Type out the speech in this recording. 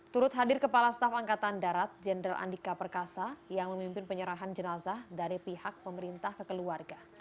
turut hadir kepala staf angkatan darat jenderal andika perkasa yang memimpin penyerahan jenazah dari pihak pemerintah kekeluarga